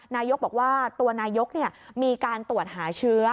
นายกบอกว่าตัวนายกมีการตรวจหาเชื้อ